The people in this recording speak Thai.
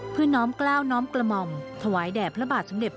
น้อมกล้าวน้อมกระหม่อมถวายแด่พระบาทสมเด็จ